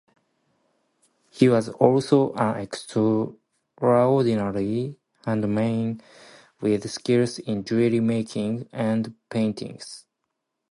He was also an extraordinary handiman, with skills in jewelry making and painting.